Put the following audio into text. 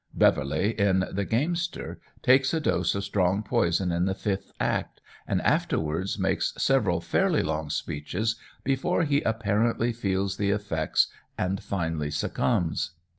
Beverley, in "The Gamester," takes a dose of strong poison in the fifth act, and afterwards makes several fairly long speeches before he apparently feels the effects, and finally succumbs.